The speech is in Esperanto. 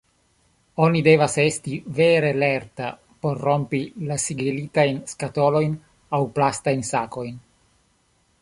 Oni devas esti vere lerta por rompi la sigelitajn skatolojn aŭ plastajn sakojn.